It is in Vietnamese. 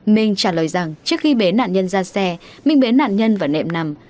minh trả lời rằng trước khi bế nạn nhân ra xe minh bế nạn nhân vào nệm nằm